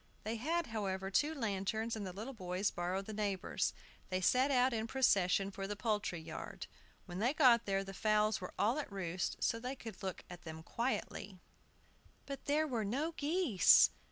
They had, however, two lanterns, and the little boys borrowed the neighbors'. They set out in procession for the poultry yard. When they got there, the fowls were all at roost, so they could look at them quietly. SOLOMON JOHN'S BOOK. But there were no geese!